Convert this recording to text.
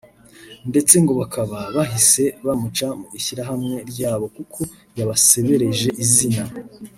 ndetse ngo bakaba bahise bamuca mu ishyirahamwe ryabo kuko yabasebereje izina